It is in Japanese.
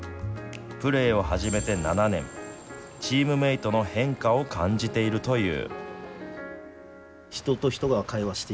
プレーを始めて７年チームメートの変化を感じているという。